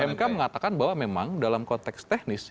mk mengatakan bahwa memang dalam konteks teknis